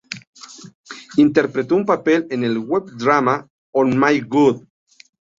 Interpretó un papel en el web drama "Oh My God!